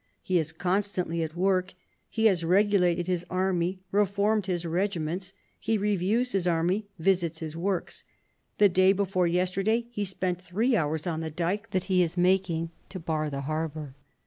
... He is constantly at work ... he has regulated his army, reformed his regiments ... he reviews his army, visits his works. ... The day before yesterday he spent three hours on the dyke that he is making, to bar the harbour.